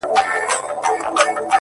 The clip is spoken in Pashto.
ډک لاس وتلی وم” آخر تش دس “ ته ودرېدم “